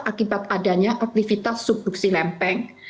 akibat adanya aktivitas subduksi lempeng